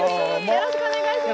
よろしくお願いします。